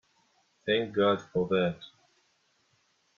Thank God for that!